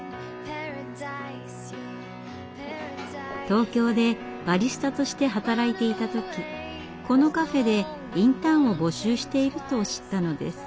東京でバリスタとして働いていた時このカフェでインターンを募集していると知ったのです。